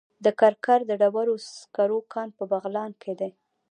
د کرکر د ډبرو سکرو کان په بغلان کې دی.